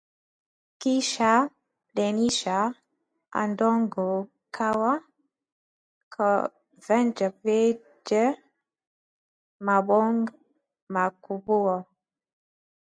kisha lainisha udongo kwa kuvunjavunja mabonge makubwa,